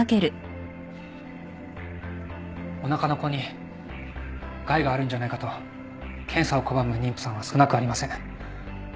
おなかの子に害があるんじゃないかと検査を拒む妊婦さんは少なくありません。